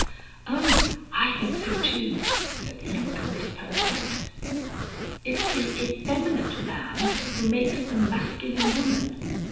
"Oh! I think so too," said the younger Miss Pirbright. "It's the effeminate man who makes the masculine woman.